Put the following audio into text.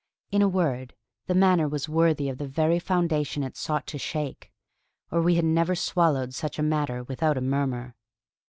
In a word, the manner was worthy of the very foundation it sought to shake, or we had never swallowed such matter without a murmur.